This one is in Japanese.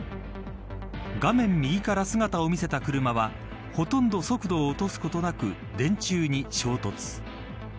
画面右から姿を見せた車はほとんど速度を落とすことなく電柱に衝突。